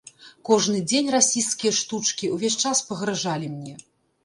Кожны дзень расісцкія штучкі, увесь час пагражалі мне.